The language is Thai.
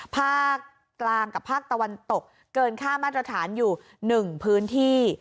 ภาคกลางกับภาคตะวันตกเกินค่ามาตรฐานอยู่๑พื้นที่